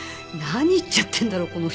何言っちゃってんだろう？